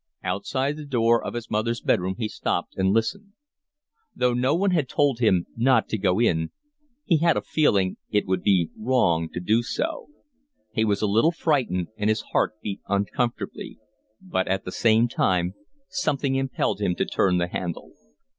Outside the door of his mother's bed room he stopped and listened. Though no one had told him not to go in, he had a feeling that it would be wrong to do so; he was a little frightened, and his heart beat uncomfortably; but at the same time something impelled him to turn the handle.